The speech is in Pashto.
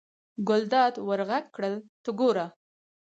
ګلداد ور غږ کړل: ته ګوره.